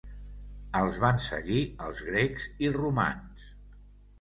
Els van seguir els grecs i romans.